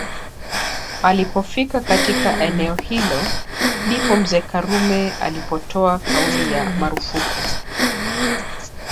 Alipofika katika eneo hilo ndipo mzee Karume alipotoa kauli ya marufuku